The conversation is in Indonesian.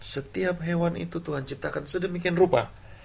setiap hewan itu tuhan ciptakan sedemikian rupa